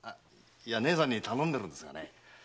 姉さんに頼んでるんですがね。